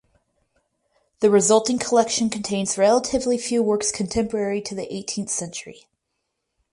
The resulting collection contains relatively few works contemporary to the eighteenth century.